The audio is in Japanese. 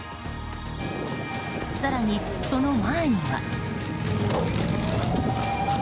更に、その前には。